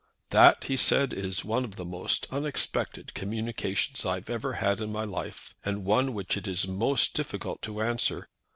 "That," said he, "is one of the most unexpected communications I ever had in my life, and one which it is most difficult to answer.